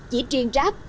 chỉ riêng ráp